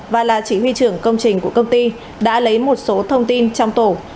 và là chỉ huy trưởng công trình của công ty đã lấy một số thông tin trong tổ